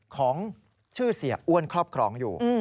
ของชื่อเสียอ้วนครอบครองอยู่